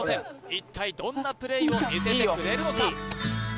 一体どんなプレーを見せてくれるのか？